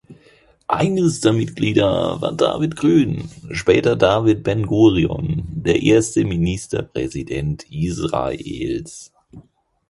Eines der Mitglieder war David Grün, später David Ben Gurion, der erste Ministerpräsident Israels.